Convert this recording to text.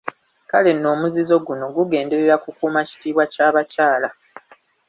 Kale nno omuzizo guno gugenderera kukuuma kitiibwa ky'abakyala.